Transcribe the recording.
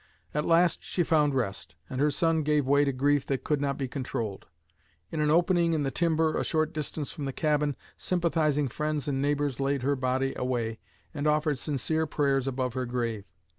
At last she found rest, and her son gave way to grief that could not be controlled. In an opening in the timber, a short distance from the cabin, sympathizing friends and neighbors laid her body away and offered sincere prayers above her grave.